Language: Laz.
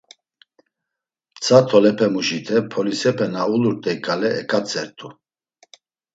Mtsa tolepemuşite polisepe na ulurt̆ey ǩale eǩatzert̆u.